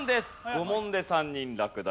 ５問で３人落第。